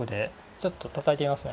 ちょっと叩いてみますね。